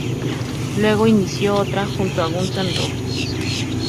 Luego inició otra junto a Guns N' Roses.